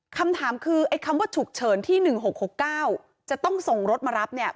คำถามคือไอ้คำว่าฉุกเฉินที่๑๖๖๙จะต้องส่งรถมารับเนี่ย